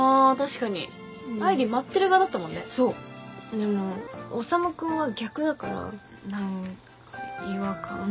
でも修君は逆だから何か違和感。